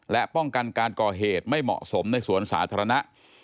และป้องกันการก่อเหตุไม่เหมาะสมในสวนสาธารณะ